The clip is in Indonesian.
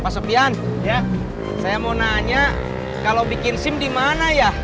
pak sopian ya saya mau nanya kalau bikin sim di mana ya